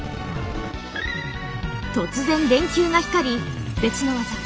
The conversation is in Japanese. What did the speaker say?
突然電球が光り別の技